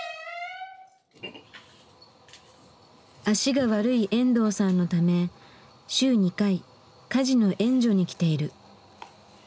脚が悪い遠藤さんのため週２回家事の援助に来ている。